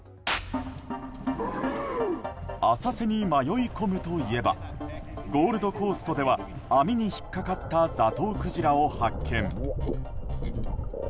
浅瀬に迷い込むといえばゴールドコーストでは網に引っかかったザトウクジラを発見。